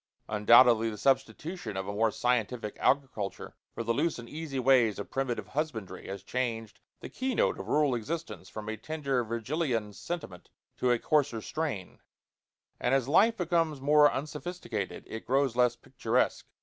Undoubtedly the substitution of a more scientific agriculture for the loose and easy ways of primitive husbandry has changed the key note of rural existence from a tender Virgilian sentiment to a coarser strain, and as life becomes more unsophisticated it grows less picturesque.